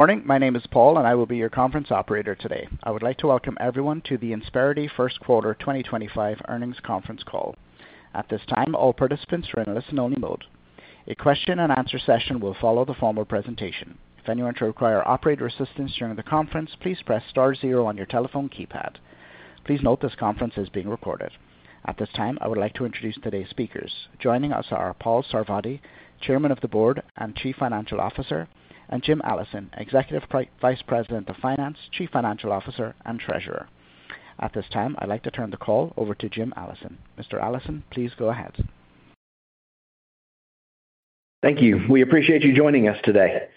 Morning. My name is Paul, and I will be your conference operator today. I would like to welcome everyone to the Insperity First Quarter 2025 Earnings Conference Call. At this time, all participants are in listen-only mode. A question-and-answer session will follow the formal presentation. If anyone should require operator assistance during the conference, please press star zero on your telephone keypad. Please note this conference is being recorded. At this time, I would like to introduce today's speakers. Joining us are Paul Sarvadi, Chairman of the Board and Chief Executive Officer, and Jim Allison, Executive Vice President of Finance, Chief Financial Officer, and Treasurer. At this time, I'd like to turn the call over to Jim Allison. Mr. Allison, please go ahead. Thank you. We appreciate you joining us today.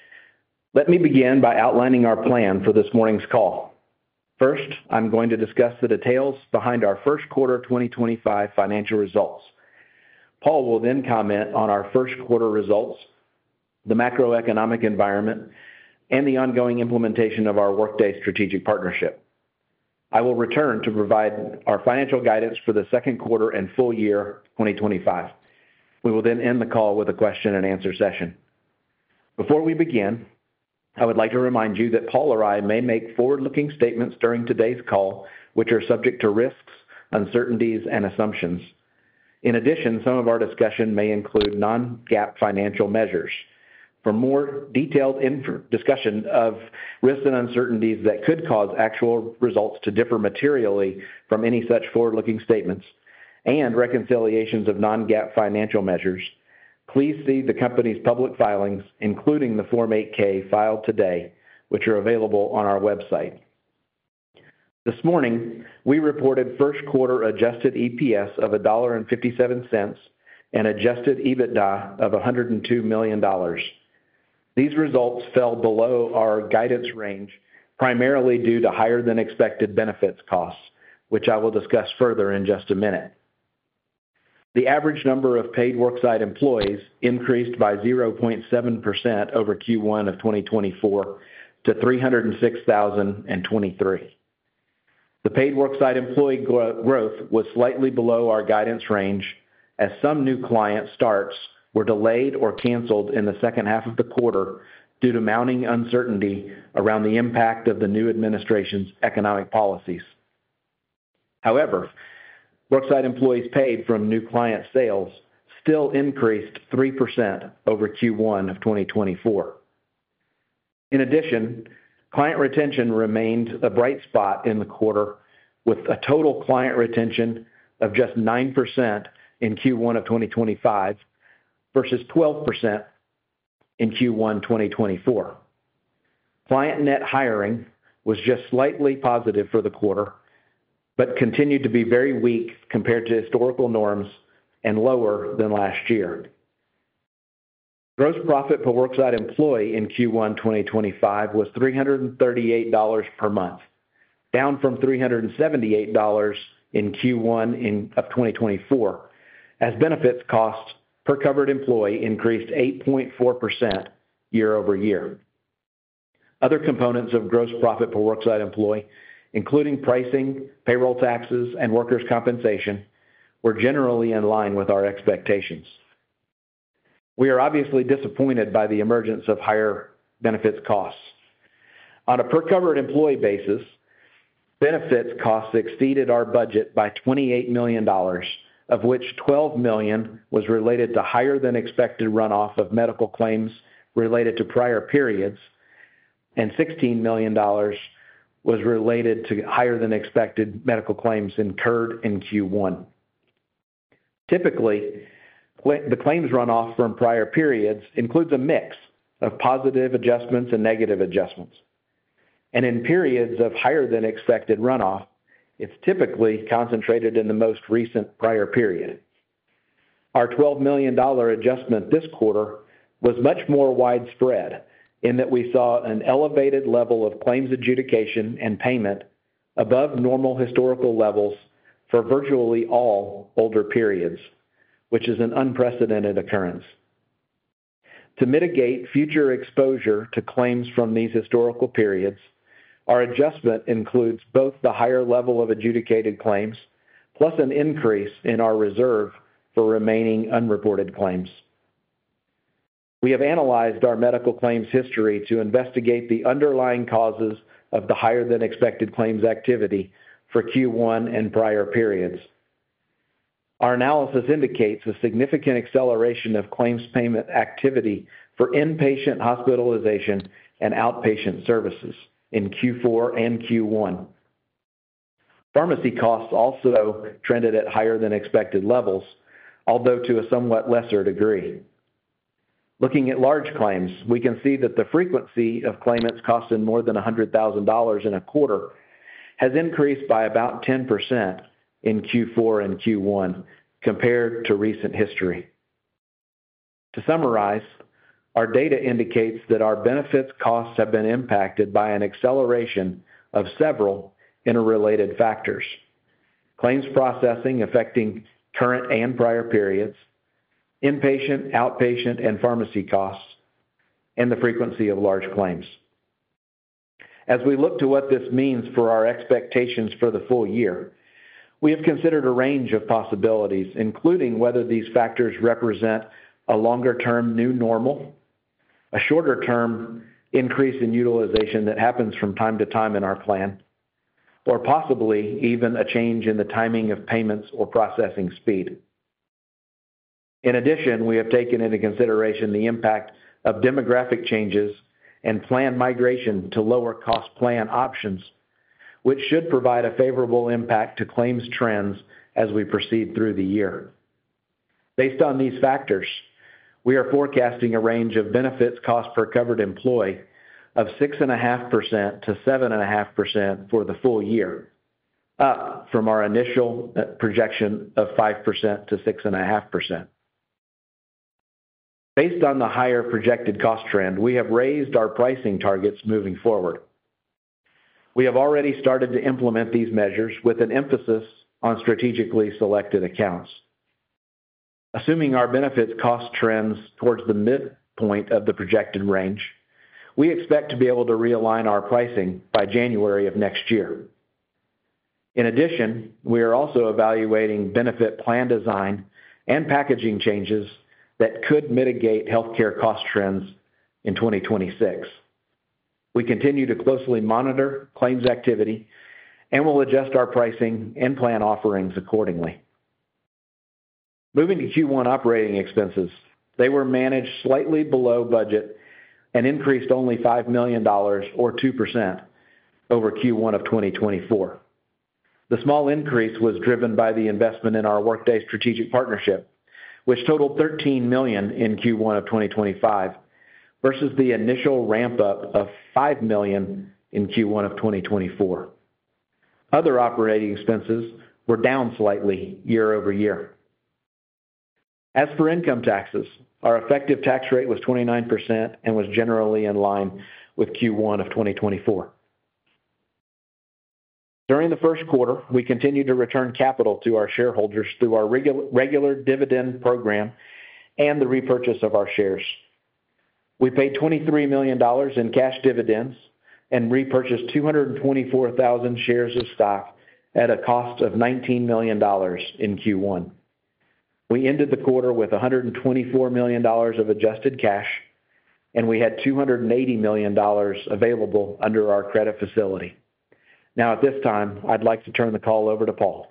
Let me begin by outlining our plan for this morning's call. First, I'm going to discuss the details behind our first quarter 2025 financial results. Paul will then comment on our first quarter results, the macroeconomic environment, and the ongoing implementation of our Workday strategic partnership. I will return to provide our financial guidance for the second quarter and full year 2025. We will then end the call with a question-and-answer session. Before we begin, I would like to remind you that Paul or I may make forward-looking statements during today's call, which are subject to risks, uncertainties, and assumptions. In addition, some of our discussion may include non-GAAP financial measures. For more detailed discussion of risks and uncertainties that could cause actual results to differ materially from any such forward-looking statements and reconciliations of non-GAAP financial measures, please see the company's public filings, including the Form 8-K filed today, which are available on our website. This morning, we reported first quarter adjusted EPS of $1.57 and adjusted EBITDA of $102 million. These results fell below our guidance range primarily due to higher-than-expected benefits costs, which I will discuss further in just a minute. The average number of paid worksite employees increased by 0.7% over Q1 of 2024 to 306,023. The paid worksite employee growth was slightly below our guidance range as some new client starts were delayed or canceled in the second half of the quarter due to mounting uncertainty around the impact of the new administration's economic policies. However, worksite employees paid from new client sales still increased 3% over Q1 of 2024. In addition, client retention remained a bright spot in the quarter, with a total client retention of just 9% in Q1 of 2025 versus 12% in Q1 2024. Client net hiring was just slightly positive for the quarter but continued to be very weak compared to historical norms and lower than last year. Gross profit per worksite employee in Q1 2025 was $338 per month, down from $378 in Q1 of 2024 as benefits costs per covered employee increased 8.4% year-over-year. Other components of gross profit per worksite employee, including pricing, payroll taxes, and workers' compensation, were generally in line with our expectations. We are obviously disappointed by the emergence of higher benefits costs. On a per-covered employee basis, benefits costs exceeded our budget by $28 million, of which $12 million was related to higher-than-expected runoff of medical claims related to prior periods, and $16 million was related to higher-than-expected medical claims incurred in Q1. Typically, the claims runoff from prior periods includes a mix of positive adjustments and negative adjustments. In periods of higher-than-expected runoff, it is typically concentrated in the most recent prior period. Our $12 million adjustment this quarter was much more widespread in that we saw an elevated level of claims adjudication and payment above normal historical levels for virtually all older periods, which is an unprecedented occurrence. To mitigate future exposure to claims from these historical periods, our adjustment includes both the higher level of adjudicated claims plus an increase in our reserve for remaining unreported claims. We have analyzed our medical claims history to investigate the underlying causes of the higher-than-expected claims activity for Q1 and prior periods. Our analysis indicates a significant acceleration of claims payment activity for inpatient hospitalization and outpatient services in Q4 and Q1. Pharmacy costs also trended at higher-than-expected levels, although to a somewhat lesser degree. Looking at large claims, we can see that the frequency of claimants costing more than $100,000 in a quarter has increased by about 10% in Q4 and Q1 compared to recent history. To summarize, our data indicates that our benefits costs have been impacted by an acceleration of several interrelated factors: claims processing affecting current and prior periods, inpatient, outpatient, and pharmacy costs, and the frequency of large claims. As we look to what this means for our expectations for the full year, we have considered a range of possibilities, including whether these factors represent a longer-term new normal, a shorter-term increase in utilization that happens from time to time in our plan, or possibly even a change in the timing of payments or processing speed. In addition, we have taken into consideration the impact of demographic changes and plan migration to lower-cost plan options, which should provide a favorable impact to claims trends as we proceed through the year. Based on these factors, we are forecasting a range of benefits cost per covered employee of 6.5%-7.5% for the full year, up from our initial projection of 5%-6.5%. Based on the higher projected cost trend, we have raised our pricing targets moving forward. We have already started to implement these measures with an emphasis on strategically selected accounts. Assuming our benefits-cost trends towards the midpoint of the projected range, we expect to be able to realign our pricing by January of next year. In addition, we are also evaluating benefit plan design and packaging changes that could mitigate healthcare cost trends in 2026. We continue to closely monitor claims activity and will adjust our pricing and plan offerings accordingly. Moving to Q1 operating expenses, they were managed slightly below budget and increased only $5 million, or 2%, over Q1 of 2024. The small increase was driven by the investment in our Workday strategic partnership, which totaled $13 million in Q1 of 2025 versus the initial ramp-up of $5 million in Q1 of 2024. Other operating expenses were down slightly year-over-year. As for income taxes, our effective tax rate was 29% and was generally in line with Q1 of 2024. During the first quarter, we continued to return capital to our shareholders through our regular dividend program and the repurchase of our shares. We paid $23 million in cash dividends and repurchased 224,000 shares of stock at a cost of $19 million in Q1. We ended the quarter with $124 million of adjusted cash, and we had $280 million available under our credit facility. Now, at this time, I'd like to turn the call over to Paul.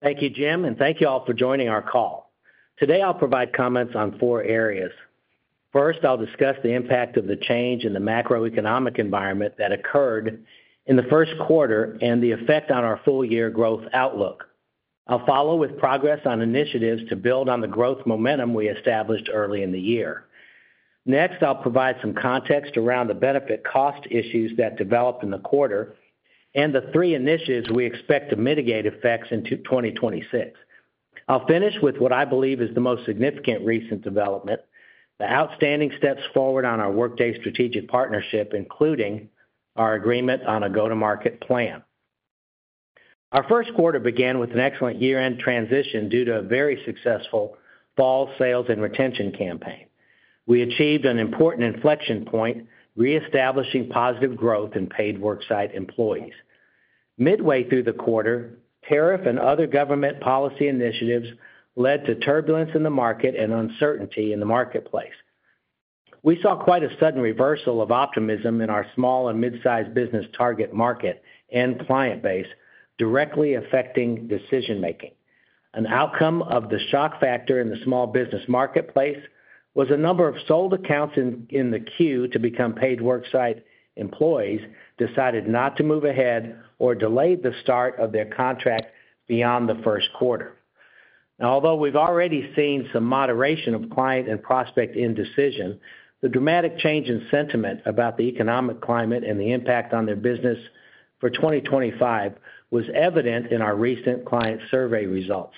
Thank you, Jim. Thank you all for joining our call. Today, I'll provide comments on four areas. First, I'll discuss the impact of the change in the macroeconomic environment that occurred in the first quarter and the effect on our full-year growth outlook. I'll follow with progress on initiatives to build on the growth momentum we established early in the year. Next, I'll provide some context around the benefit-cost issues that developed in the quarter and the three initiatives we expect to mitigate effects in 2026. I'll finish with what I believe is the most significant recent development: the outstanding steps forward on our Workday strategic partnership, including our agreement on a go-to-market plan. Our first quarter began with an excellent year-end transition due to a very successful fall sales and retention campaign. We achieved an important inflection point, reestablishing positive growth in paid worksite employees. Midway through the quarter, tariff and other government policy initiatives led to turbulence in the market and uncertainty in the marketplace. We saw quite a sudden reversal of optimism in our small and mid-size business target market and client base, directly affecting decision-making. An outcome of the shock factor in the small business marketplace was a number of sold accounts in the queue to become paid worksite employees decided not to move ahead or delayed the start of their contract beyond the first quarter. Now, although we've already seen some moderation of client and prospect indecision, the dramatic change in sentiment about the economic climate and the impact on their business for 2025 was evident in our recent client survey results.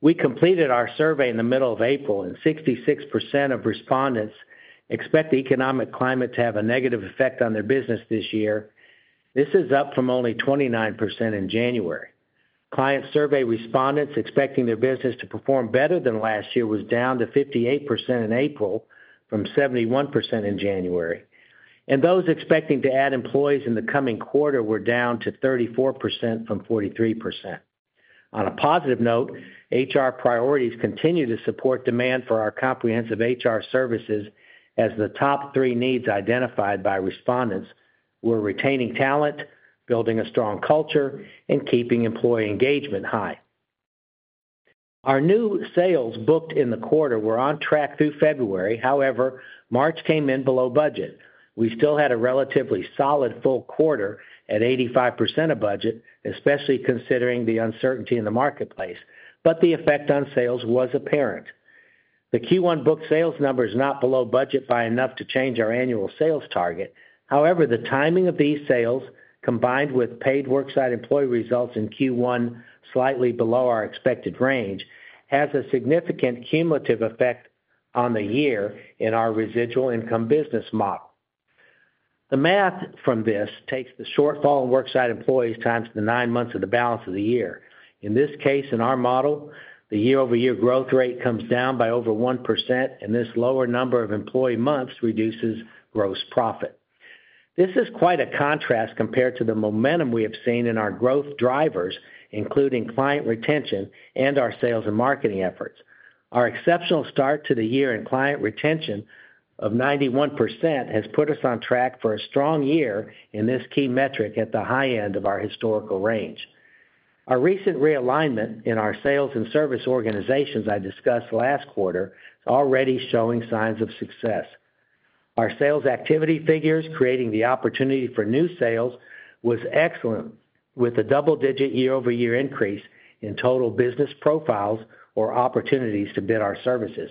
We completed our survey in the middle of April, and 66% of respondents expect the economic climate to have a negative effect on their business this year. This is up from only 29% in January. Client survey respondents expecting their business to perform better than last year were down to 58% in April from 71% in January. Those expecting to add employees in the coming quarter were down to 34% from 43%. On a positive note, HR priorities continue to support demand for our comprehensive HR services as the top three needs identified by respondents were retaining talent, building a strong culture, and keeping employee engagement high. Our new sales booked in the quarter were on track through February. However, March came in below budget. We still had a relatively solid full quarter at 85% of budget, especially considering the uncertainty in the marketplace. The effect on sales was apparent. The Q1 booked sales number is not below budget by enough to change our annual sales target. However, the timing of these sales, combined with paid worksite employee results in Q1 slightly below our expected range, has a significant cumulative effect on the year in our residual income business model. The math from this takes the shortfall in worksite employees times the nine months of the balance of the year. In this case, in our model, the year-over-year growth rate comes down by over 1%, and this lower number of employee months reduces gross profit. This is quite a contrast compared to the momentum we have seen in our growth drivers, including client retention and our sales and marketing efforts. Our exceptional start to the year in client retention of 91% has put us on track for a strong year in this key metric at the high end of our historical range. Our recent realignment in our sales and service organizations I discussed last quarter is already showing signs of success. Our sales activity figures, creating the opportunity for new sales, were excellent, with a double-digit year-over-year increase in total business profiles or opportunities to bid our services.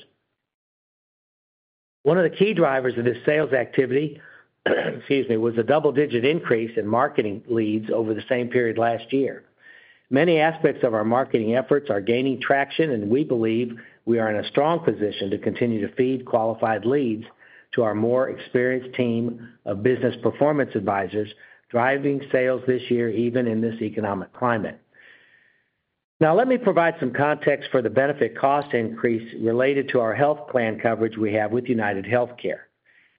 One of the key drivers of this sales activity, excuse me, was a double-digit increase in marketing leads over the same period last year. Many aspects of our marketing efforts are gaining traction, and we believe we are in a strong position to continue to feed qualified leads to our more experienced team of Business Performance Advisors, driving sales this year even in this economic climate. Now, let me provide some context for the benefit cost increase related to our health plan coverage we have with UnitedHealthcare.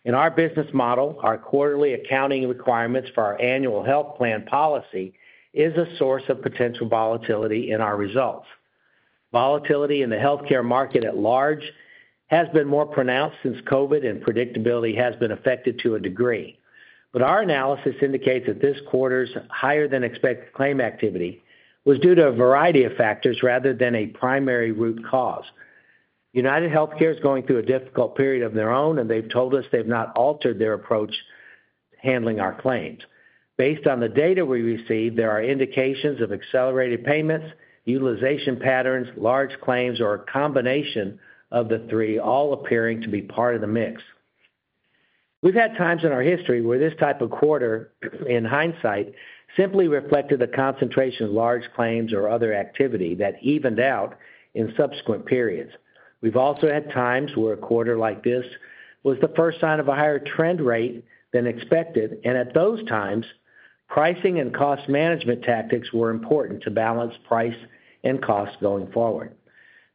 In our business model, our quarterly accounting requirements for our annual health plan policy are a source of potential volatility in our results. Volatility in the healthcare market at large has been more pronounced since COVID, and predictability has been affected to a degree. Our analysis indicates that this quarter's higher-than-expected claim activity was due to a variety of factors rather than a primary root cause. UnitedHealthcare is going through a difficult period of their own, and they've told us they've not altered their approach to handling our claims. Based on the data we received, there are indications of accelerated payments, utilization patterns, large claims, or a combination of the three, all appearing to be part of the mix. We've had times in our history where this type of quarter, in hindsight, simply reflected the concentration of large claims or other activity that evened out in subsequent periods. We've also had times where a quarter like this was the first sign of a higher trend rate than expected. At those times, pricing and cost management tactics were important to balance price and cost going forward.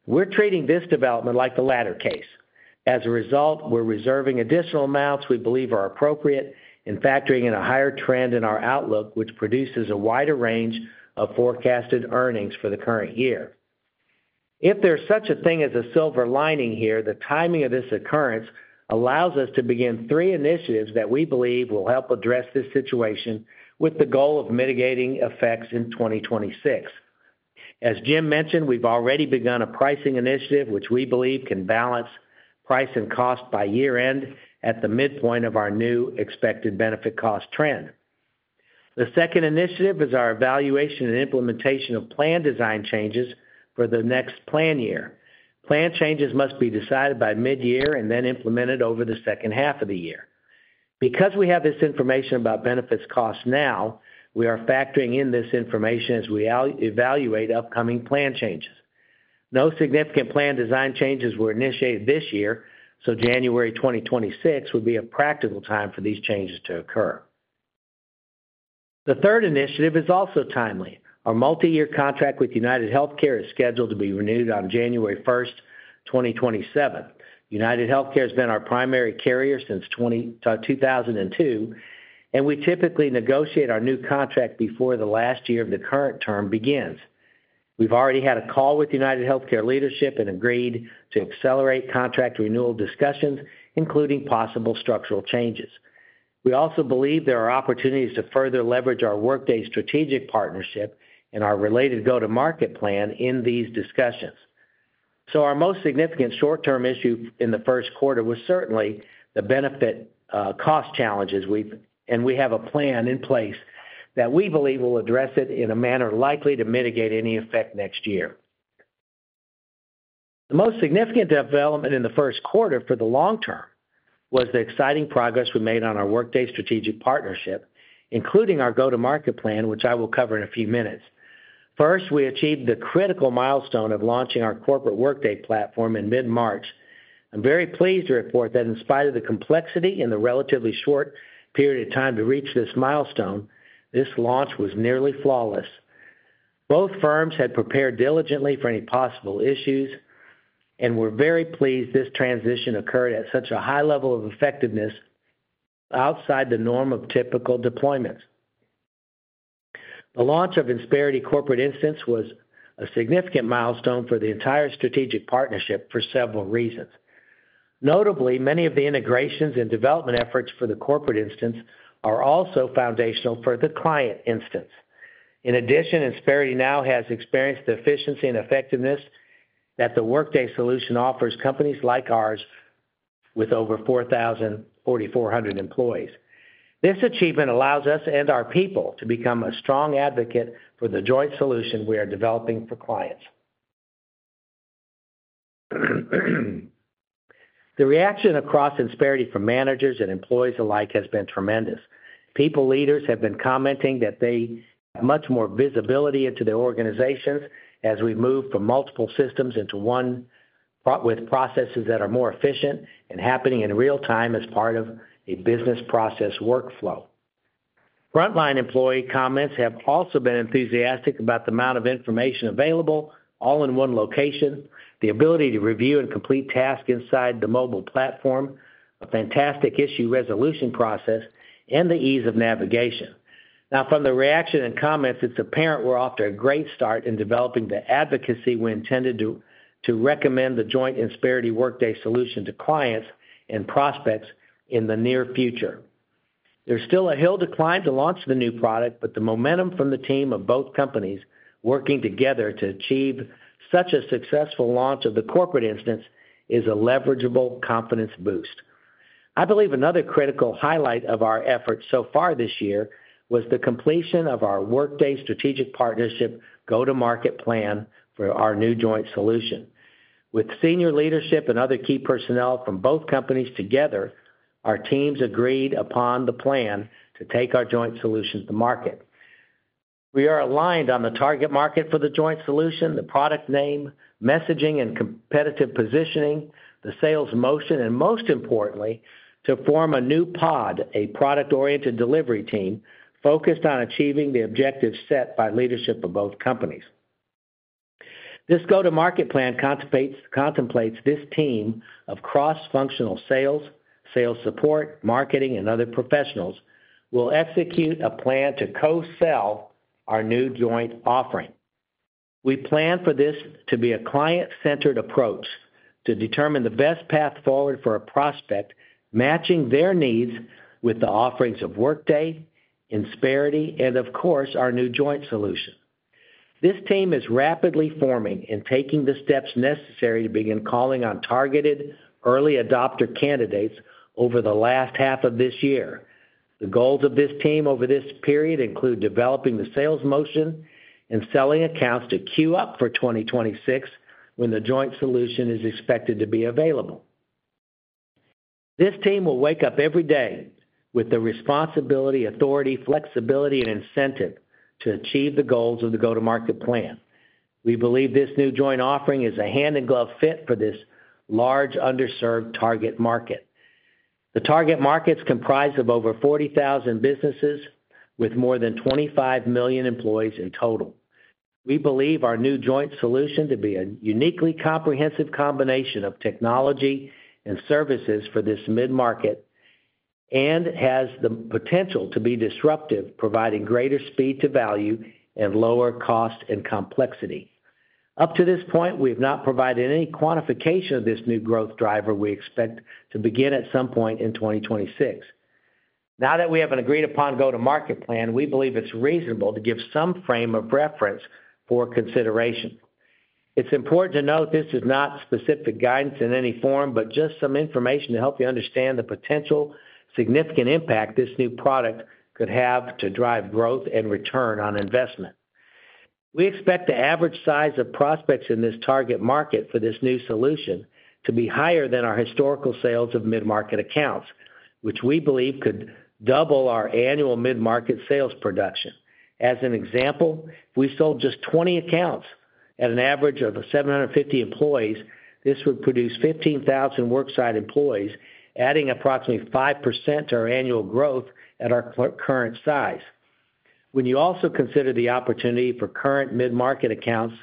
We're treating this development like the latter case. As a result, we're reserving additional amounts we believe are appropriate and factoring in a higher trend in our outlook, which produces a wider range of forecasted earnings for the current year. If there's such a thing as a silver lining here, the timing of this occurrence allows us to begin three initiatives that we believe will help address this situation with the goal of mitigating effects in 2026. As Jim mentioned, we've already begun a pricing initiative, which we believe can balance price and cost by year-end at the midpoint of our new expected benefit-cost trend. The second initiative is our evaluation and implementation of plan-design changes for the next plan year. Plan changes must be decided by midyear and then implemented over the second half of the year. Because we have this information about benefits cost now, we are factoring in this information as we evaluate upcoming plan changes. No significant plan design changes were initiated this year, so January 2026 would be a practical time for these changes to occur. The third initiative is also timely. Our multi-year contract with UnitedHealthcare is scheduled to be renewed on January 1st, 2027. UnitedHealthcare has been our primary carrier since 2002, and we typically negotiate our new contract before the last year of the current term begins. We've already had a call with UnitedHealthcare leadership and agreed to accelerate contract renewal discussions, including possible structural changes. We also believe there are opportunities to further leverage our Workday strategic partnership and our related go-to-market plan in these discussions. Our most significant short-term issue in the first quarter was certainly the benefit cost challenges, and we have a plan in place that we believe will address it in a manner likely to mitigate any effect next year. The most significant development in the first quarter for the long term was the exciting progress we made on our Workday strategic partnership, including our go-to-market plan, which I will cover in a few minutes. First, we achieved the critical milestone of launching our corporate Workday platform in mid-March. I'm very pleased to report that in spite of the complexity and the relatively short period of time to reach this milestone, this launch was nearly flawless. Both firms had prepared diligently for any possible issues and were very pleased this transition occurred at such a high level of effectiveness outside the norm of typical deployments. The launch of Insperity corporate instance was a significant milestone for the entire strategic partnership for several reasons. Notably, many of the integrations and development efforts for the corporate instance are also foundational for the client instance. In addition, Insperity now has experienced the efficiency and effectiveness that the Workday solution offers companies like ours with over 4,400 employees. This achievement allows us and our people to become a strong advocate for the joint solution we are developing for clients. The reaction across Insperity from managers and employees alike has been tremendous. People leaders have been commenting that they have much more visibility into their organizations as we move from multiple systems into one with processes that are more efficient and happening in real time as part of a business process workflow. Frontline employee comments have also been enthusiastic about the amount of information available all in one location, the ability to review and complete tasks inside the mobile platform, a fantastic issue resolution process, and the ease of navigation. Now, from the reaction and comments, it is apparent we are off to a great start in developing the advocacy we intended to recommend the joint Insperity Workday solution to clients and prospects in the near future. There is still a hill to climb to launch the new product, but the momentum from the team of both companies working together to achieve such a successful launch of the corporate instance is a leverageable confidence boost. I believe another critical highlight of our efforts so far this year was the completion of our Workday strategic partnership go-to-market plan for our new joint solution. With senior leadership and other key personnel from both companies together, our teams agreed upon the plan to take our joint solutions to market. We are aligned on the target market for the joint solution, the product name, messaging, and competitive positioning, the sales motion, and most importantly, to form a new pod, a product-oriented delivery team focused on achieving the objectives set by leadership of both companies. This go-to-market plan contemplates this team of cross-functional sales, sales support, marketing, and other professionals who will execute a plan to co-sell our new joint offering. We plan for this to be a client-centered approach to determine the best path forward for a prospect, matching their needs with the offerings of Workday, Insperity, and, of course, our new joint solution. This team is rapidly forming and taking the steps necessary to begin calling on targeted early adopter candidates over the last half of this year. The goals of this team over this period include developing the sales motion and selling accounts to queue up for 2026 when the joint solution is expected to be available. This team will wake up every day with the responsibility, authority, flexibility, and incentive to achieve the goals of the go-to-market plan. We believe this new joint offering is a hand-in-glove fit for this large underserved target market. The target markets comprise of over 40,000 businesses with more than 25 million employees in total. We believe our new joint solution to be a uniquely comprehensive combination of technology and services for this mid-market and has the potential to be disruptive, providing greater speed to value and lower cost and complexity. Up to this point, we have not provided any quantification of this new growth driver we expect to begin at some point in 2026. Now that we have an agreed-upon go-to-market plan, we believe it's reasonable to give some frame of reference for consideration. It's important to note this is not specific guidance in any form, but just some information to help you understand the potential significant impact this new product could have to drive growth and return on investment. We expect the average size of prospects in this target market for this new solution to be higher than our historical sales of mid-market accounts, which we believe could double our annual mid-market sales production. As an example, we sold just 20 accounts at an average of 750 employees. This would produce 15,000 worksite employees, adding approximately 5% to our annual growth at our current size. When you also consider the opportunity for current mid-market accounts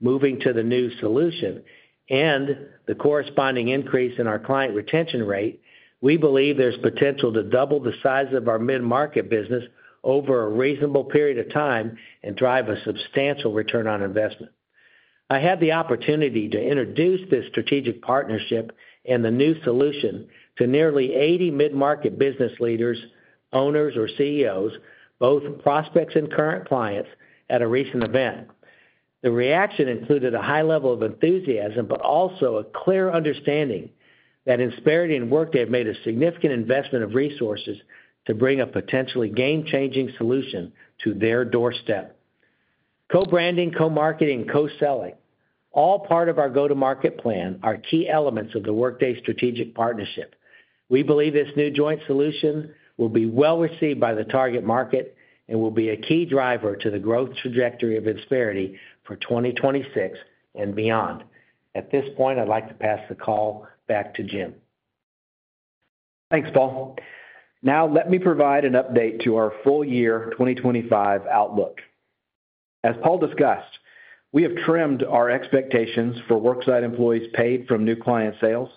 moving to the new solution and the corresponding increase in our client retention rate, we believe there's potential to double the size of our mid-market business over a reasonable period of time and drive a substantial return on investment. I had the opportunity to introduce this strategic partnership and the new solution to nearly 80 mid-market business leaders, owners, or CEOs, both prospects and current clients, at a recent event. The reaction included a high level of enthusiasm, but also a clear understanding that Insperity and Workday have made a significant investment of resources to bring a potentially game-changing solution to their doorstep. Co-branding, co-marketing, and co-selling, all part of our go-to-market plan, are key elements of the Workday strategic partnership. We believe this new joint solution will be well received by the target market and will be a key driver to the growth trajectory of Insperity for 2026 and beyond. At this point, I'd like to pass the call back to Jim. Thanks, Paul. Now, let me provide an update to our full year 2025 outlook. As Paul discussed, we have trimmed our expectations for worksite employees paid from new client sales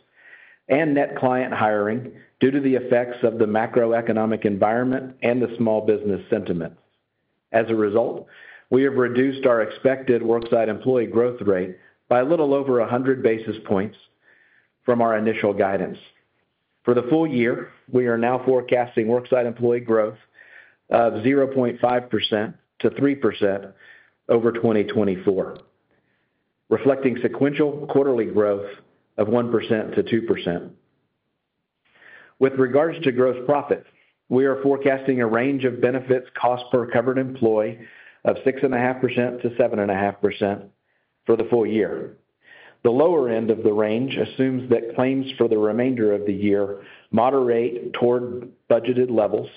and net client hiring due to the effects of the macroeconomic environment and the small business sentiment. As a result, we have reduced our expected worksite employee growth rate by a little over 100 basis points from our initial guidance. For the full year, we are now forecasting worksite employee growth of 0.5%-3% over 2024, reflecting sequential quarterly growth of 1%-2%. With regards to gross profit, we are forecasting a range of benefits cost per covered employee of 6.5%-7.5% for the full year. The lower end of the range assumes that claims for the remainder of the year moderate toward budgeted levels,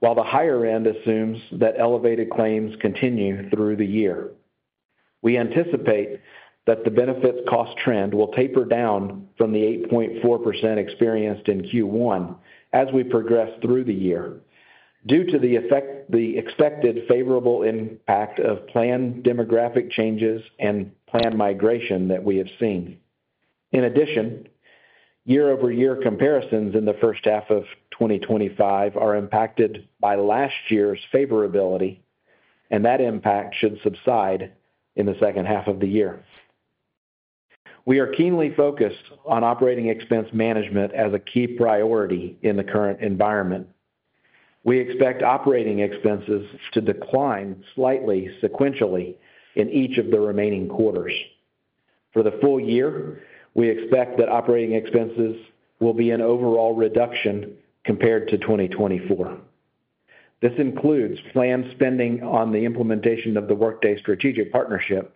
while the higher end assumes that elevated claims continue through the year. We anticipate that the benefits cost trend will taper down from the 8.4% experienced in Q1 as we progress through the year due to the expected favorable impact of planned demographic changes and planned migration that we have seen. In addition, year-over-year comparisons in the first half of 2025 are impacted by last year's favorability, and that impact should subside in the second half of the year. We are keenly focused on operating expense management as a key priority in the current environment. We expect operating expenses to decline slightly sequentially in each of the remaining quarters. For the full year, we expect that operating expenses will be an overall reduction compared to 2024. This includes planned spending on the implementation of the Workday strategic partnership,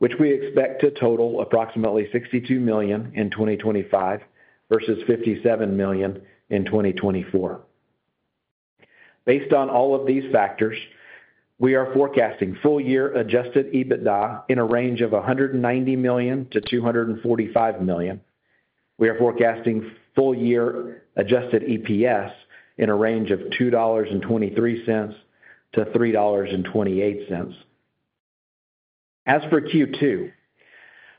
which we expect to total approximately $62 million in 2025 versus $57 million in 2024. Based on all of these factors, we are forecasting full-year adjusted EBITDA in a range of $190 million-$245 million. We are forecasting full-year adjusted EPS in a range of $2.23-$3.28. As for Q2,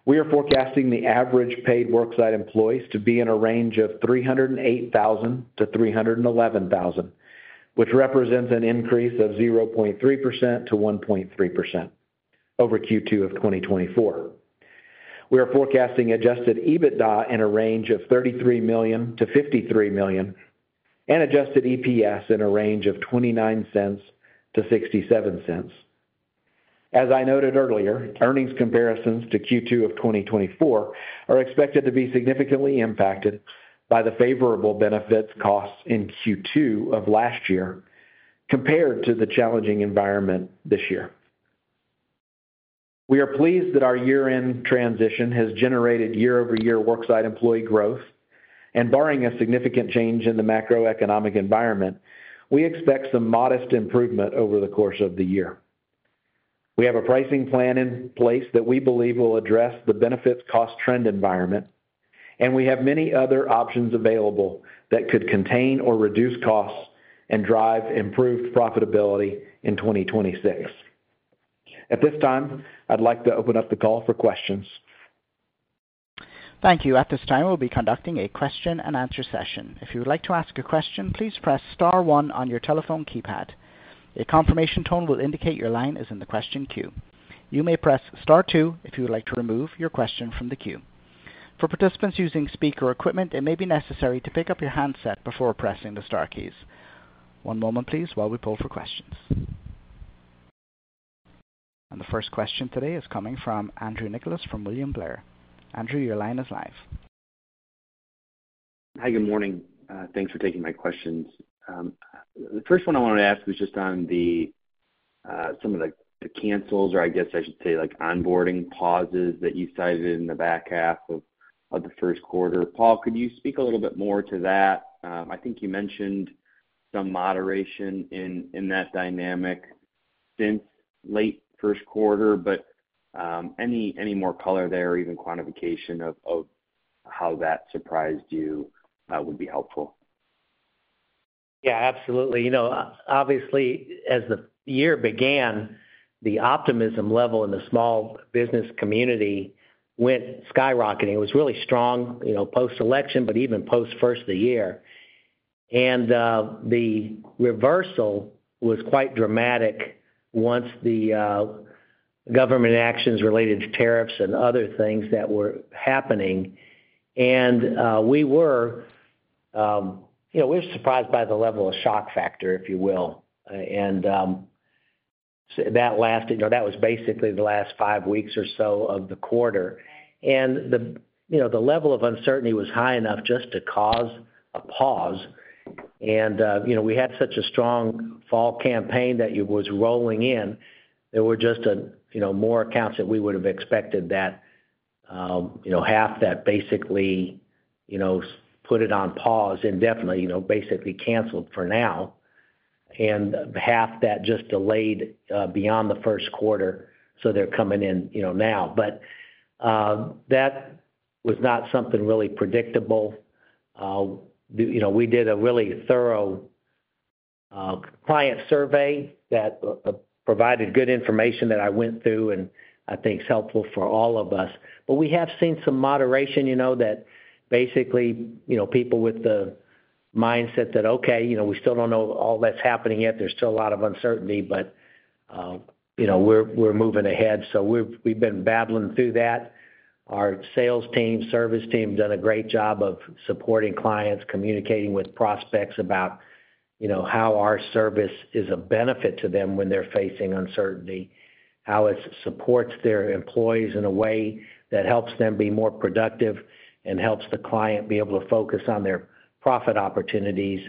we are forecasting the average paid worksite employees to be in a range of 308,000-311,000, which represents an increase of 0.3%-1.3% over Q2 of 2024. We are forecasting adjusted EBITDA in a range of $33 million-$53 million and adjusted EPS in a range of $0.29-$0.67. As I noted earlier, earnings comparisons to Q2 of 2024 are expected to be significantly impacted by the favorable benefits costs in Q2 of last year compared to the challenging environment this year. We are pleased that our year-end transition has generated year-over-year worksite employee growth, and barring a significant change in the macroeconomic environment, we expect some modest improvement over the course of the year. We have a pricing plan in place that we believe will address the benefits cost trend environment, and we have many other options available that could contain or reduce costs and drive improved profitability in 2026. At this time, I'd like to open up the call for questions. Thank you. At this time, we'll be conducting a question-and-answer session. If you would like to ask a question, please press star one on your telephone keypad. A confirmation tone will indicate your line is in the question queue. You may press star two if you would like to remove your question from the queue. For participants using speaker equipment, it may be necessary to pick up your handset before pressing the star keys. One moment, please, while we pull for questions. The first question today is coming from Andrew Nicholas from William Blair. Andrew, your line is live. Hi, good morning. Thanks for taking my questions. The first one I wanted to ask was just on some of the cancels, or I guess I should say onboarding pauses that you cited in the back half of the first quarter. Paul, could you speak a little bit more to that? I think you mentioned some moderation in that dynamic since late first quarter, but any more color there, even quantification of how that surprised you would be helpful. Yeah, absolutely. Obviously, as the year began, the optimism level in the small business community went skyrocketing. It was really strong post-election, but even post-first of the year. The reversal was quite dramatic once the government actions related to tariffs and other things that were happening. We were surprised by the level of shock factor, if you will. That was basically the last five weeks or so of the quarter. The level of uncertainty was high enough just to cause a pause. We had such a strong fall campaign that it was rolling in. There were just more accounts that we would have expected that half that basically put it on pause and definitely basically canceled for now, and half that just delayed beyond the first quarter. They are coming in now. That was not something really predictable. We did a really thorough client survey that provided good information that I went through and I think is helpful for all of us. We have seen some moderation that basically people with the mindset that, okay, we still do not know all that is happening yet. There is still a lot of uncertainty, but we are moving ahead. We have been battling through that. Our sales team, service team have done a great job of supporting clients, communicating with prospects about how our service is a benefit to them when they're facing uncertainty, how it supports their employees in a way that helps them be more productive and helps the client be able to focus on their profit opportunities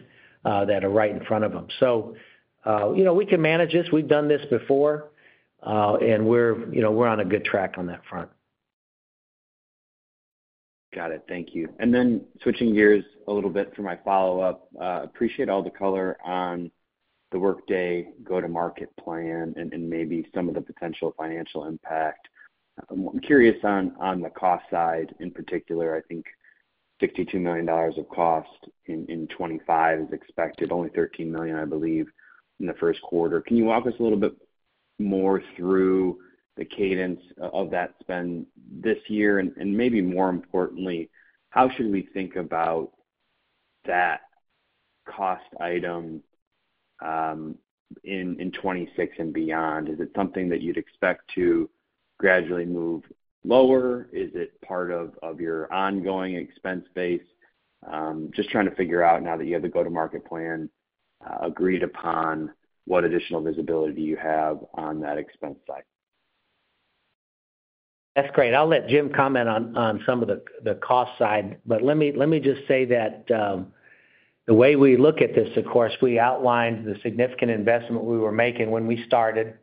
that are right in front of them. We can manage this. We've done this before, and we're on a good track on that front. Got it. Thank you. Switching gears a little bit for my follow-up, appreciate all the color on the Workday go-to-market plan and maybe some of the potential financial impact. I'm curious on the cost side in particular. I think $62 million of cost in 2025 is expected, only $13 million, I believe, in the first quarter. Can you walk us a little bit more through the cadence of that spend this year? Maybe more importantly, how should we think about that cost item in 2026 and beyond? Is it something that you'd expect to gradually move lower? Is it part of your ongoing expense base? Just trying to figure out now that you have the go-to-market plan, agreed upon what additional visibility you have on that expense side. That's great. I'll let Jim comment on some of the cost side, but let me just say that the way we look at this, of course, we outlined the significant investment we were making when we started,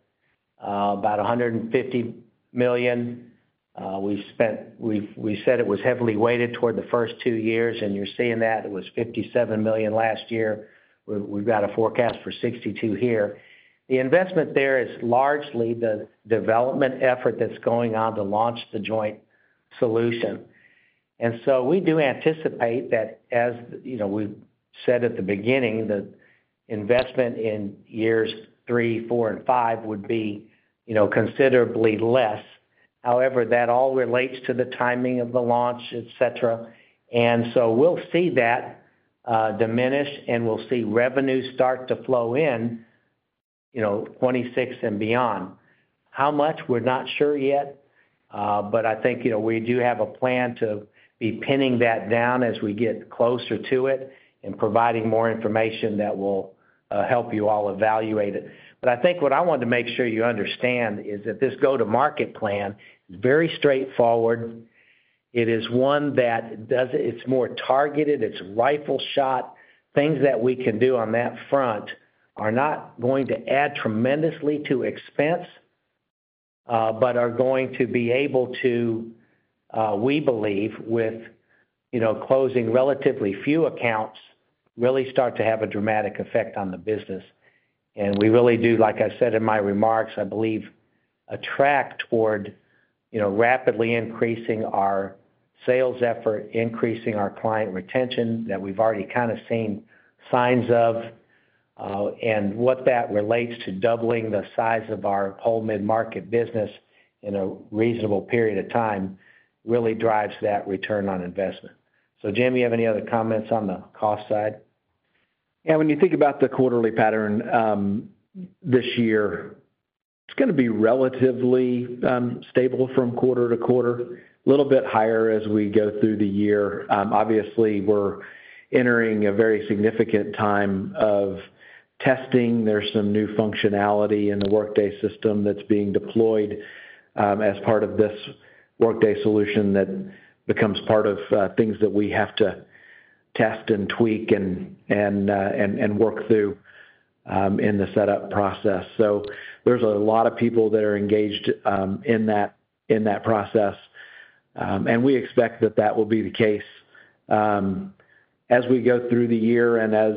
about $150 million. We said it was heavily weighted toward the first two years, and you're seeing that it was $57 million last year. We've got a forecast for $62 million here. The investment there is largely the development effort that's going on to launch the joint solution. We do anticipate that, as we said at the beginning, the investment in years three, four, and five would be considerably less. However, that all relates to the timing of the launch, etc. We will see that diminish, and we will see revenues start to flow in 2026 and beyond. How much, we're not sure yet, but I think we do have a plan to be pinning that down as we get closer to it and providing more information that will help you all evaluate it. I think what I want to make sure you understand is that this go-to-market plan is very straightforward. It is one that is more targeted. It's rifle shot. Things that we can do on that front are not going to add tremendously to expense, but are going to be able to, we believe, with closing relatively few accounts, really start to have a dramatic effect on the business. We really do, like I said in my remarks, I believe, attract toward rapidly increasing our sales effort, increasing our client retention that we've already kind of seen signs of. What that relates to doubling the size of our whole mid-market business in a reasonable period of time really drives that return on investment. Jim, you have any other comments on the cost side? Yeah. When you think about the quarterly pattern this year, it's going to be relatively stable from quarter to quarter, a little bit higher as we go through the year. Obviously, we're entering a very significant time of testing. There's some new functionality in the Workday system that's being deployed as part of this Workday solution that becomes part of things that we have to test and tweak and work through in the setup process. There are a lot of people that are engaged in that process, and we expect that that will be the case as we go through the year and as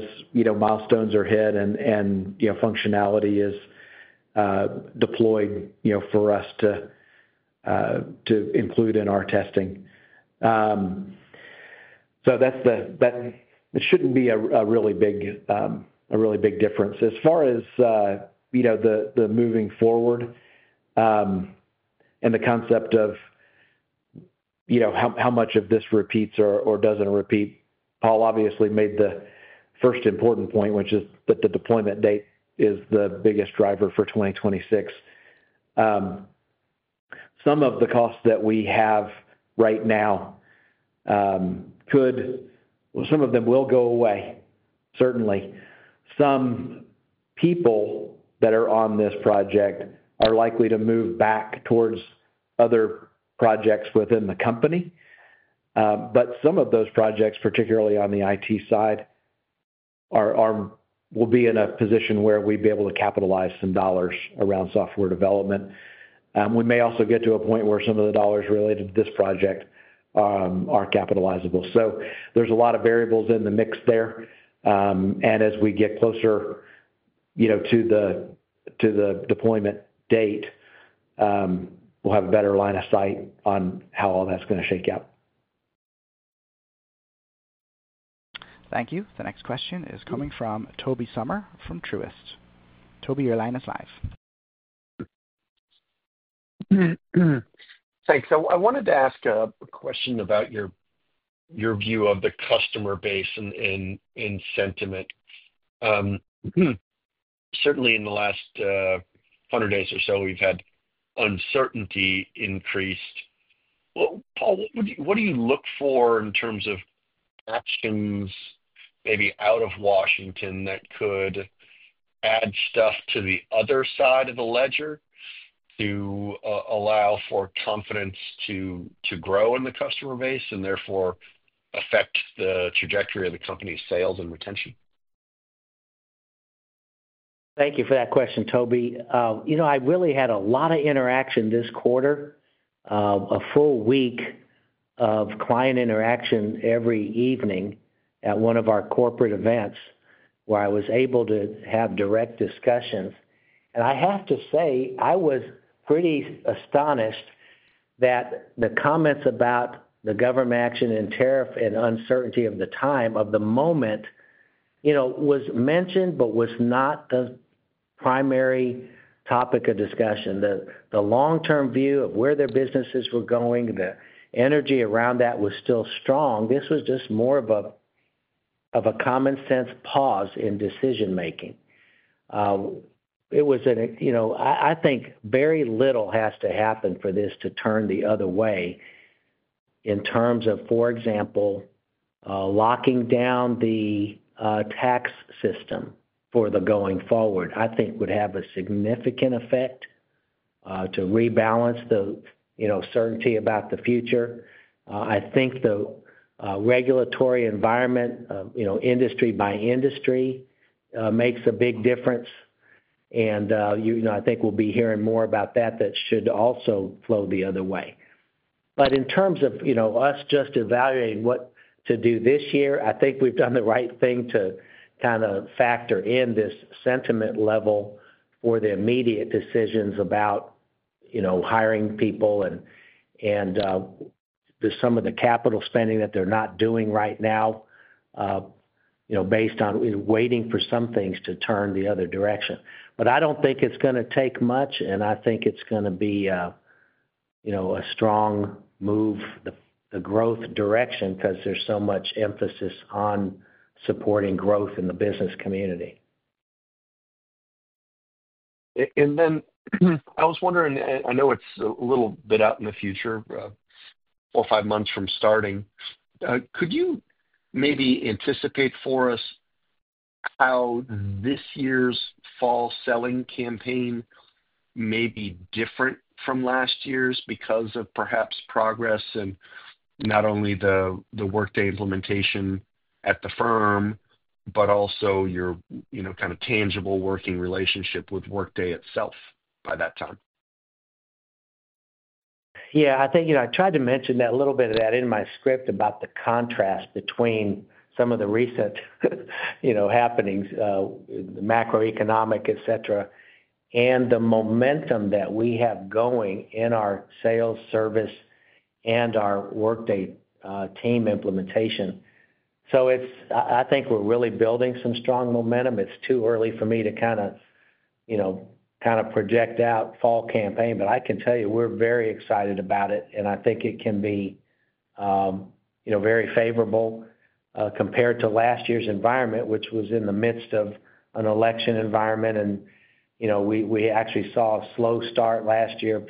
milestones are hit and functionality is deployed for us to include in our testing. It should not be a really big difference. As far as the moving forward and the concept of how much of this repeats or does not repeat, Paul obviously made the first important point, which is that the deployment date is the biggest driver for 2026. Some of the costs that we have right now, some of them will go away, certainly. Some people that are on this project are likely to move back towards other projects within the company. But some of those projects, particularly on the IT side, will be in a position where we'd be able to capitalize some dollars around software development. We may also get to a point where some of the dollars related to this project are capitalizable. There are a lot of variables in the mix there. As we get closer to the deployment date, we'll have a better line of sight on how all that's going to shake out. Thank you. The next question is coming from Tobey Sommer from Truist. Tobey, your line is live. Thanks. I wanted to ask a question about your view of the customer base and sentiment. Certainly, in the last 100 days or so, we've had uncertainty increased. Paul, what do you look for in terms of actions maybe out of Washington that could add stuff to the other side of the ledger to allow for confidence to grow in the customer base and therefore affect the trajectory of the company's sales and retention? Thank you for that question, Tobey. I really had a lot of interaction this quarter, a full week of client interaction every evening at one of our corporate events where I was able to have direct discussions. I have to say, I was pretty astonished that the comments about the government action and tariff and uncertainty of the time of the moment was mentioned but was not the primary topic of discussion. The long-term view of where their businesses were going, the energy around that was still strong. This was just more of a common-sense pause in decision-making. I think very little has to happen for this to turn the other way in terms of, for example, locking down the tax system for the going forward. I think it would have a significant effect to rebalance the certainty about the future. I think the regulatory environment, industry by industry, makes a big difference. I think we'll be hearing more about that that should also flow the other way. In terms of us just evaluating what to do this year, I think we've done the right thing to kind of factor in this sentiment level for the immediate decisions about hiring people and some of the capital spending that they're not doing right now based on waiting for some things to turn the other direction. I don't think it's going to take much, and I think it's going to be a strong move, the growth direction, because there's so much emphasis on supporting growth in the business community. I was wondering, I know it's a little bit out in the future, four or five months from starting. Could you maybe anticipate for us how this year's fall-selling campaign may be different from last year's because of perhaps progress in not only the Workday implementation at the firm, but also your kind of tangible working relationship with Workday itself by that time? Yeah. I think I tried to mention a little bit of that in my script about the contrast between some of the recent happenings, the macroeconomic, etc., and the momentum that we have going in our sales, service, and our Workday team implementation. I think we're really building some strong momentum. It's too early for me to kind of project out fall campaign, but I can tell you we're very excited about it. I think it can be very favorable compared to last year's environment, which was in the midst of an election environment. We actually saw a slow start last year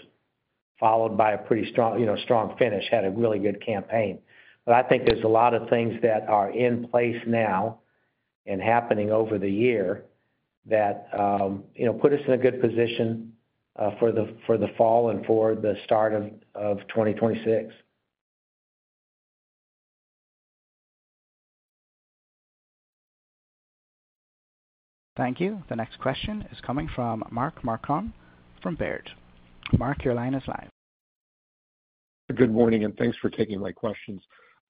followed by a pretty strong finish, had a really good campaign. I think there's a lot of things that are in place now and happening over the year that put us in a good position for the fall and for the start of 2026. Thank you. The next question is coming from Mark Marcon from Baird. Mark, your line is live. Good morning, and thanks for taking my questions.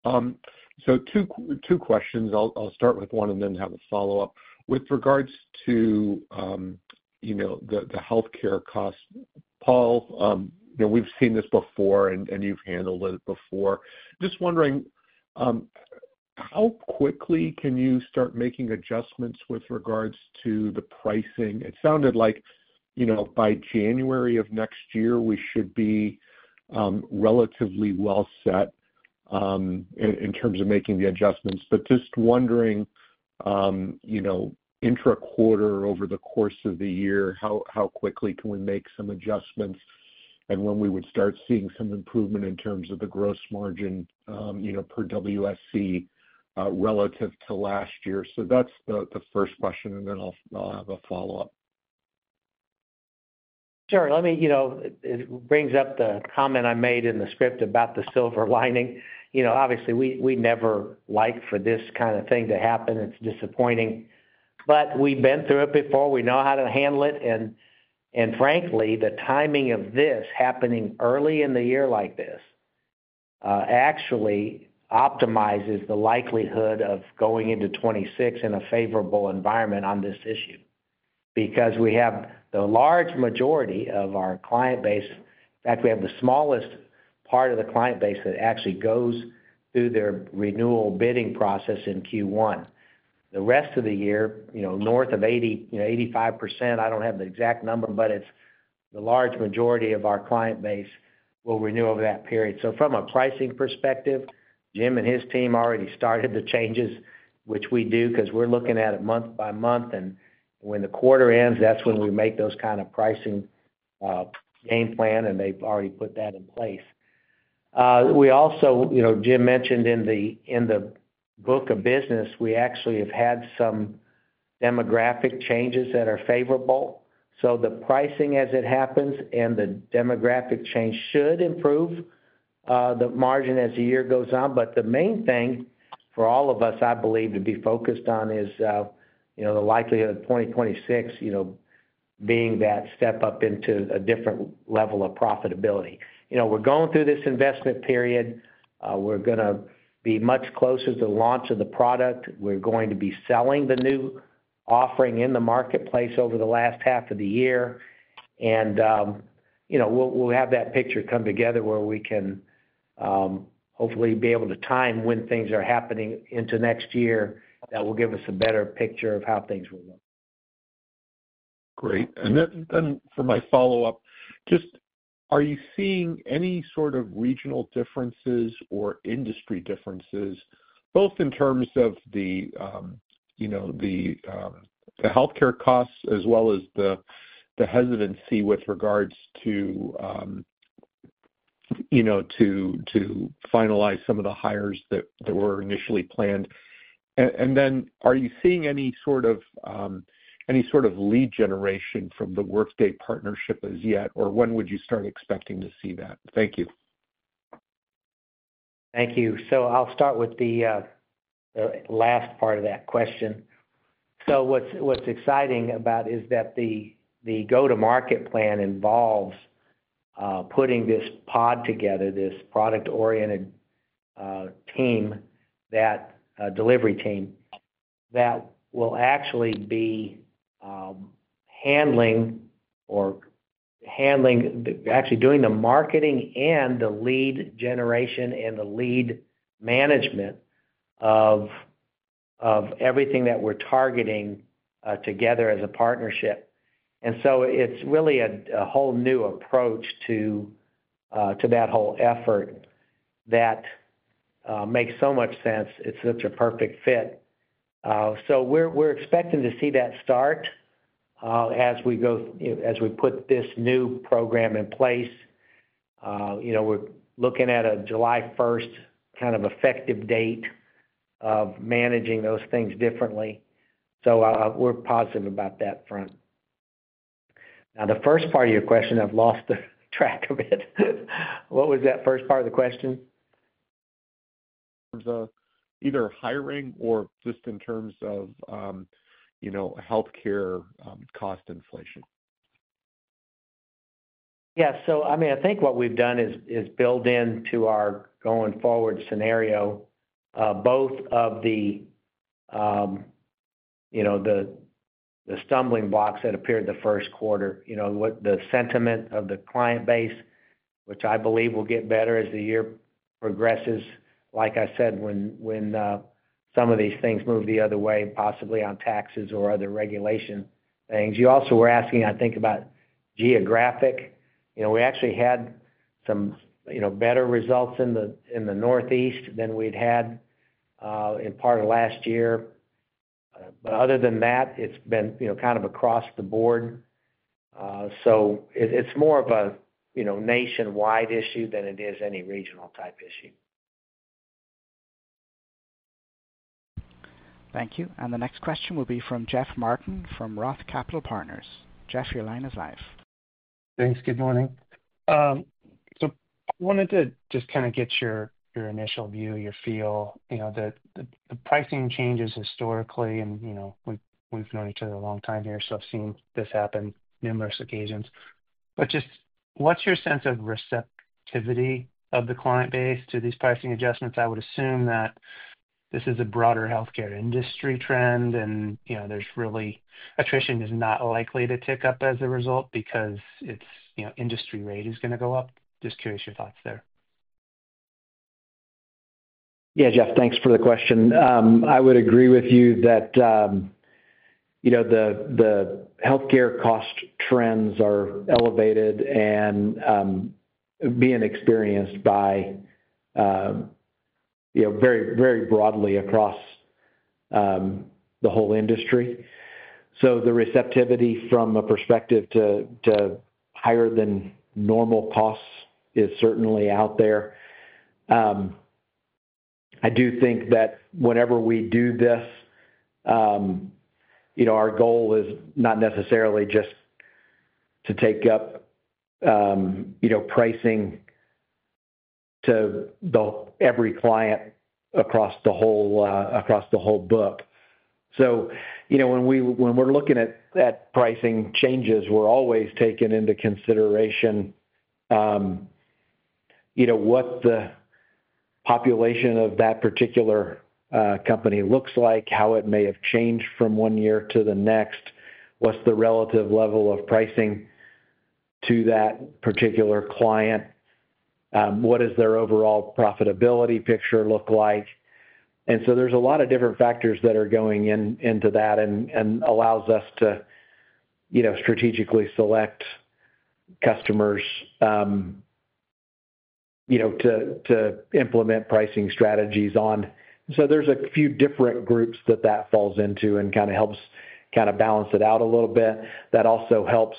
Two questions. I'll start with one and then have a follow-up. With regards to the healthcare cost, Paul, we've seen this before, and you've handled it before. Just wondering, how quickly can you start making adjustments with regards to the pricing? It sounded like by January of next year, we should be relatively well set in terms of making the adjustments. Just wondering, intra-quarter, over the course of the year, how quickly can we make some adjustments and when we would start seeing some improvement in terms of the gross margin per WSE relative to last year? That's the first question, and then I'll have a follow-up. Sure. It brings up the comment I made in the script about the silver lining. Obviously, we never like for this kind of thing to happen. It's disappointing. We've been through it before. We know how to handle it. Frankly, the timing of this happening early in the year like this actually optimizes the likelihood of going into 2026 in a favorable environment on this issue because we have the large majority of our client base. In fact, we have the smallest part of the client base that actually goes through their renewal bidding process in Q1. The rest of the year, north of 85%, I do not have the exact number, but it is the large majority of our client base that will renew over that period. From a pricing perspective, Jim and his team already started the changes, which we do because we are looking at it month by month. When the quarter ends, that is when we make those kind of pricing game plan, and they have already put that in place. We also, Jim mentioned in the book of business, we actually have had some demographic changes that are favorable. The pricing as it happens and the demographic change should improve the margin as the year goes on. The main thing for all of us, I believe, to be focused on is the likelihood of 2026 being that step up into a different level of profitability. We're going through this investment period. We're going to be much closer to the launch of the product. We're going to be selling the new offering in the marketplace over the last half of the year. We'll have that picture come together where we can hopefully be able to time when things are happening into next year that will give us a better picture of how things will look. Great. For my follow-up, just are you seeing any sort of regional differences or industry differences, both in terms of the healthcare costs as well as the hesitancy with regards to finalize some of the hires that were initially planned? Are you seeing any sort of lead generation from the Workday partnership as yet, or when would you start expecting to see that? Thank you. Thank you. I'll start with the last part of that question. What's exciting about it is that the go-to-market plan involves putting this pod together, this product-oriented delivery team that will actually be handling or actually doing the marketing and the lead generation and the lead management of everything that we're targeting together as a partnership. It's really a whole new approach to that whole effort that makes so much sense. It's such a perfect fit. We're expecting to see that start as we put this new program in place. We're looking at a July 1st kind of effective date of managing those things differently. We're positive about that front. Now, the first part of your question, I've lost track of it. What was that first part of the question? In terms of either hiring or just in terms of healthcare cost inflation? Yeah. I think what we've done is build into our going-forward scenario both of the stumbling blocks that appeared the first quarter, the sentiment of the client base, which I believe will get better as the year progresses. Like I said, when some of these things move the other way, possibly on taxes or other regulation things. You also were asking, I think, about geographic. We actually had some better results in the northeast than we'd had in part of last year. Other than that, it's been kind of across the board. It's more of a nationwide issue than it is any regional type issue. Thank you. The next question will be from Jeff Martin from Roth Capital Partners. Jeff, your line is live. Thanks. Good morning. I wanted to just kind of get your initial view, your feel. The pricing changes historically, and we've known each other a long time here, so I've seen this happen numerous occasions. Just what's your sense of receptivity of the client base to these pricing adjustments? I would assume that this is a broader healthcare industry trend, and really attrition is not likely to tick up as a result because industry rate is going to go up. Just curious your thoughts there. Yeah, Jeff, thanks for the question. I would agree with you that the healthcare cost trends are elevated and being experienced very broadly across the whole industry. The receptivity from a perspective to higher than normal costs is certainly out there. I do think that whenever we do this, our goal is not necessarily just to take up pricing to every client across the whole book. When we're looking at pricing changes, we're always taking into consideration what the population of that particular company looks like, how it may have changed from one year to the next, what's the relative level of pricing to that particular client, what does their overall profitability picture look like. There are a lot of different factors that are going into that and it allows us to strategically select customers to implement pricing strategies on. There are a few different groups that that falls into and kind of helps kind of balance it out a little bit. That also helps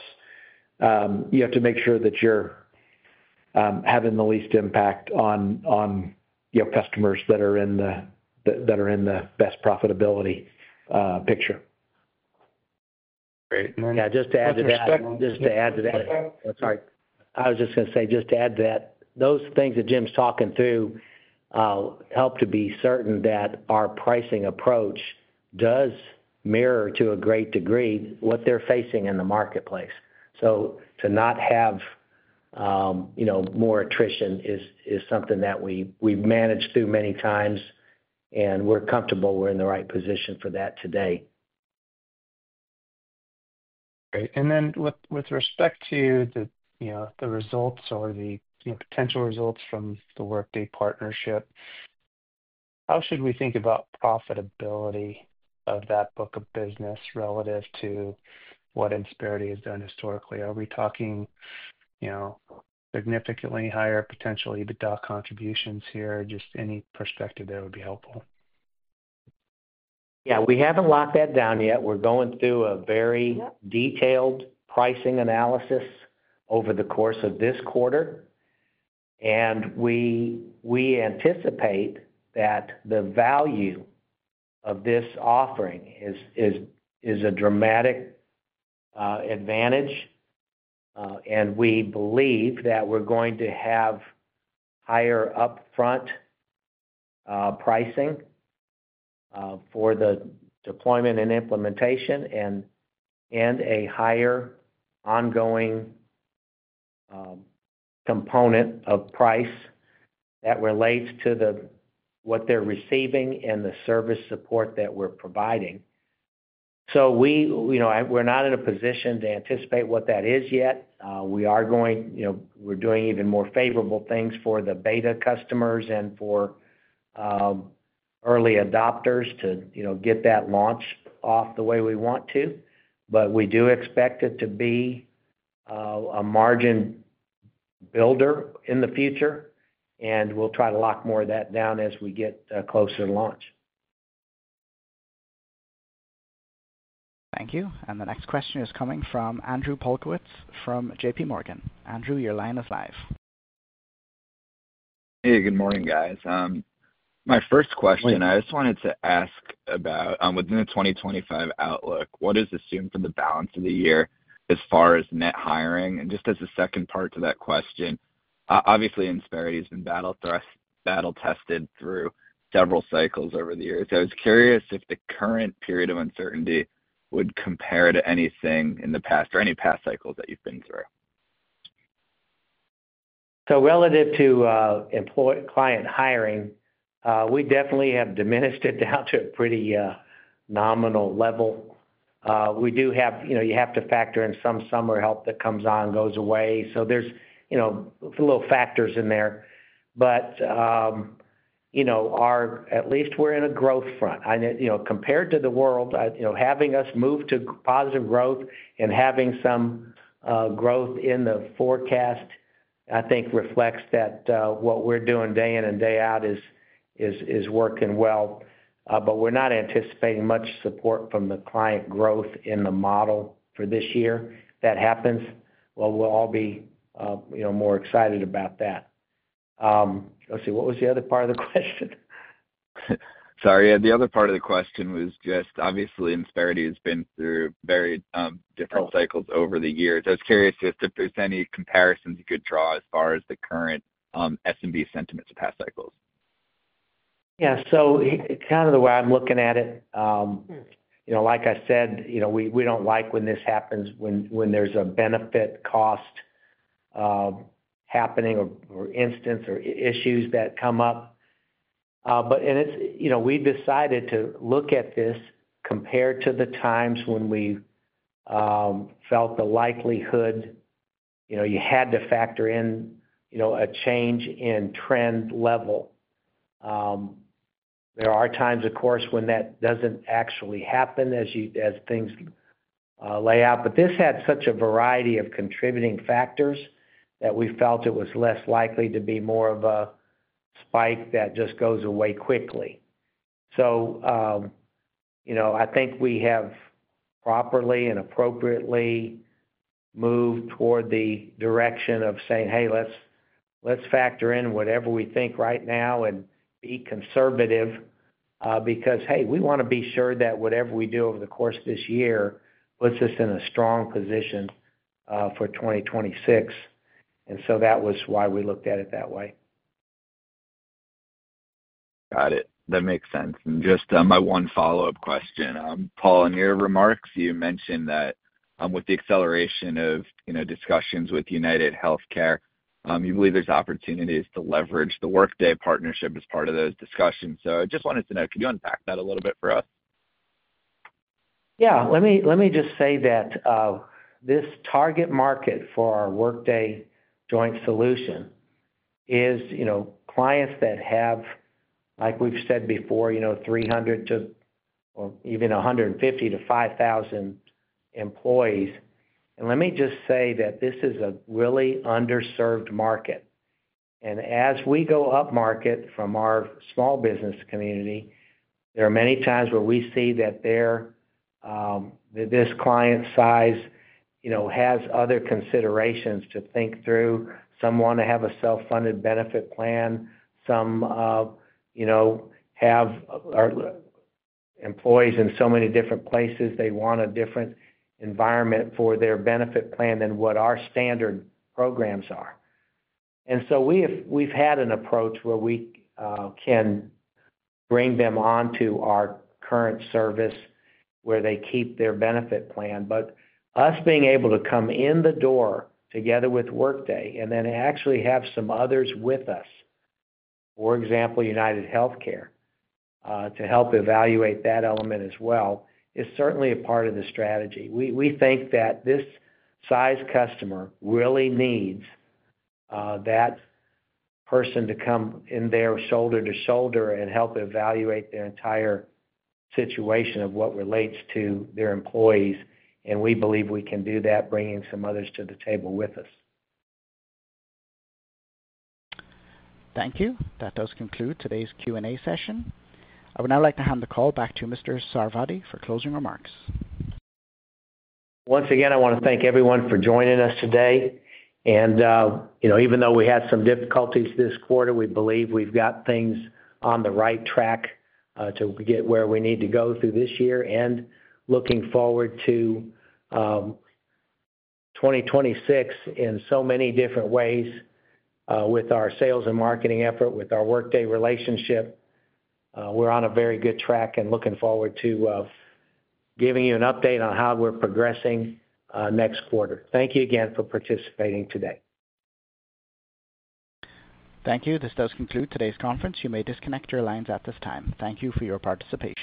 to make sure that you're having the least impact on customers that are in the that are in the best profitability picture. Great. Just to add to that. I'm sorry. I was just going to say just to add to that, those things that Jim's talking through help to be certain that our pricing approach does mirror to a great degree what they're facing in the marketplace. To not have more attrition is something that we've managed through many times, and we're comfortable we're in the right position for that today. Great. With respect to the results or the potential results from the Workday partnership, how should we think about profitability of that book of business relative to what Insperity has done historically? Are we talking significantly higher potential EBITDA contributions here? Just any perspective there would be helpful. Yeah. We haven't locked that down yet. We're going through a very detailed pricing analysis over the course of this quarter. We anticipate that the value of this offering is a dramatic advantage. We believe that we're going to have higher upfront pricing for the deployment and implementation and a higher ongoing component of price that relates to what they're receiving and the service support that we're providing. We're not in a position to anticipate what that is yet. We are going, we're doing even more favorable things for the beta customers and for early adopters to get that launch off the way we want to. We do expect it to be a margin builder in the future, and we'll try to lock more of that down as we get closer to launch. Thank you. The next question is coming from Andrew Polkowitz from JPMorgan. Andrew, your line is live. Hey, good morning, guys. My first question, I just wanted to ask about within the 2025 outlook, what is assumed for the balance of the year as far as net hiring? Just as a second part to that question, obviously, Insperity has been battle-tested through several cycles over the years. I was curious if the current period of uncertainty would compare to anything in the past or any past cycles that you've been through. Relative to client hiring, we definitely have diminished it down to a pretty nominal level. We do have to factor in some summer help that comes on and goes away. There are little factors in there. At least we are in a growth front. Compared to the world, having us move to positive growth and having some growth in the forecast, I think, reflects that what we are doing day in and day out is working well. We are not anticipating much support from the client growth in the model for this year. If that happens, we will all be more excited about that. Let's see. What was the other part of the question? Sorry. The other part of the question was just, obviously, Insperity has been through very different cycles over the years. I was curious if there's any comparisons you could draw as far as the current SMB sentiment to past cycles. Yeah. Kind of the way I'm looking at it, like I said, we don't like when this happens, when there's a benefit-cost happening or instance or issues that come up. We decided to look at this compared to the times when we felt the likelihood you had to factor in a change in trend level. There are times, of course, when that doesn't actually happen as things lay out. This had such a variety of contributing factors that we felt it was less likely to be more of a spike that just goes away quickly. I think we have properly and appropriately moved toward the direction of saying, "Hey, let's factor in whatever we think right now and be conservative because, hey, we want to be sure that whatever we do over the course of this year puts us in a strong position for 2026." That was why we looked at it that way. Got it. That makes sense. Just my one follow-up question, Paul, in your remarks, you mentioned that with the acceleration of discussions with UnitedHealthcare, you believe there's opportunities to leverage the Workday partnership as part of those discussions. I just wanted to know, could you unpack that a little bit for us? Yeah. Let me just say that this target market for our Workday joint solution is clients that have, like we've said before, 300 to or even 150 to 5,000 employees. Let me just say that this is a really underserved market. As we go upmarket from our small business community, there are many times where we see that this client size has other considerations to think through. Some want to have a self-funded benefit plan. Some have employees in so many different places. They want a different environment for their benefit plan than what our standard programs are. We have had an approach where we can bring them onto our current service where they keep their benefit plan. Us being able to come in the door together with Workday and then actually have some others with us, for example, UnitedHealthcare, to help evaluate that element as well, is certainly a part of the strategy. We think that this size customer really needs that person to come in there shoulder-to-shoulder and help evaluate their entire situation of what relates to their employees. We believe we can do that, bringing some others to the table with us. Thank you. That does conclude today's Q&A session. I would now like to hand the call back to Mr. Sarvadi for closing remarks. Once again, I want to thank everyone for joining us today. Even though we had some difficulties this quarter, we believe we've got things on the right track to get where we need to go through this year and looking forward to 2026 in so many different ways with our sales and marketing effort, with our Workday relationship. We're on a very good track and looking forward to giving you an update on how we're progressing next quarter. Thank you again for participating today. Thank you. This does conclude today's conference. You may disconnect your lines at this time. Thank you for your participation.